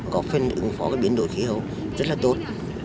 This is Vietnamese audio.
có phần ứng phó với biến đổi khí hậu rất là tốt